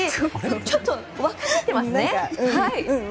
ちょっと若返っていますね。